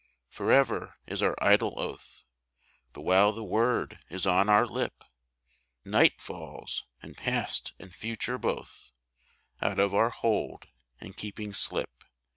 " Forever " is our idle oath ; But while the word is on our lip Night falls, and past and future both Out of our hold and keeping slip.